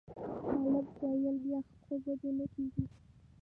طالب ویل یخ خو به دې نه کېږي.